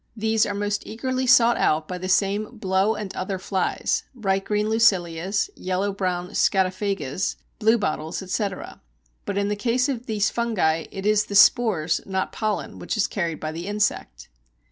These are most eagerly sought out by the same blow and other flies (bright green lucilias, yellow brown scatophagas, bluebottles, etc.). But in the case of these fungi it is the spores, not pollen, which is carried by the insect.